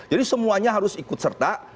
jadi semuanya harus ikut serta